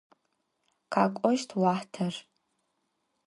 Khek'oşt vuaxhter.